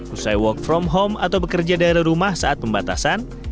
usai work from home atau bekerja dari rumah saat pembatasan